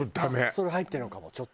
それ入ってるのかもちょっと。